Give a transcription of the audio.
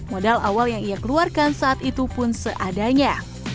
modal awal yang ia keluarkan saat itu pun seadanya